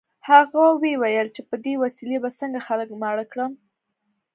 هغه ویې ویل چې په دې وسیلې به څنګه خلک ماړه کړم